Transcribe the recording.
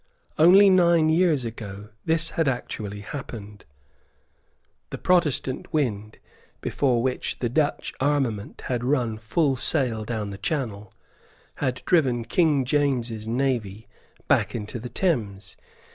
Only nine years ago this had actually happened. The Protestant wind, before which the Dutch armament had run full sail down the Channel, had driven King James's navy back into the Thames.